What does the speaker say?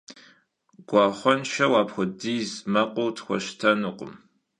Guaxhuenşşeu apxuediz mekhur txueştenukhım.